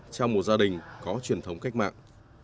trong một gia đình có truyền thống cách mạng